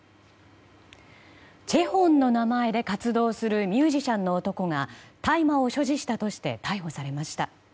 ＣＨＥＨＯＮの名前で活躍するミュージシャンの男が大麻を所持したとして逮捕されました。